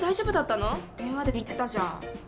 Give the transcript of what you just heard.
電話で言ってたじゃん。